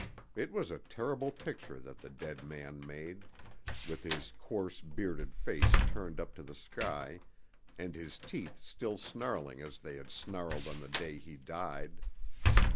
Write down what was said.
It was a terrible picture that the dead man made, with his coarse bearded face turned up to the sky and his teeth still snarling as they had snarled on the day he died.